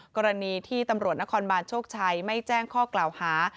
กรณีที่ตำรวจนครบานโชคชัยไม่แจ้งข้อกล่าวหา